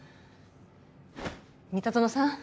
三田園さん